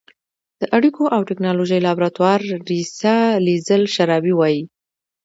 د اړیکو او ټېکنالوژۍ لابراتوار رییسه لیزل شرابي وايي